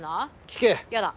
聞け！